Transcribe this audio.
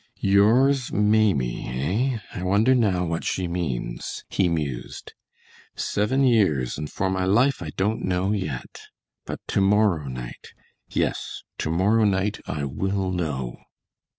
"'Yours, Maimie,' eh? I wonder now what she means," he mused. "Seven years and for my life I don't know yet, but to morrow night yes, to morrow night, I will know!"